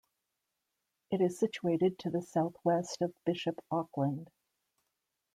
It is situated to the south west of Bishop Auckland.